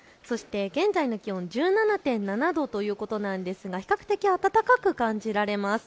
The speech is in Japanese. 現在の気温、１７．７度ということですが比較的、暖かく感じられます。